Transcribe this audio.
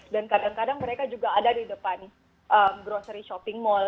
dan kadang kadang mereka juga ada di depan grocery shopping mall